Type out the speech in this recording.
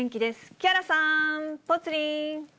木原さん、ぽつリン。